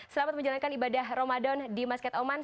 selamat menjalankan ibadah ramadan di masket oman